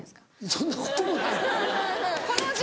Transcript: そんなこともないよな。